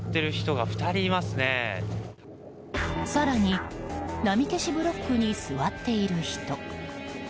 更に波消しブロックに座っている人。